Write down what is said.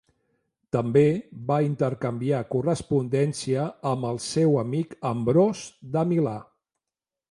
També va intercanviar correspondència amb el seu amic Ambròs de Milà.